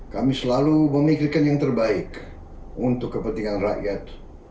kami selalu memikirkan yang terbaik untuk kepentingan rakyat